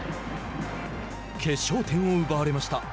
決勝点を奪われました。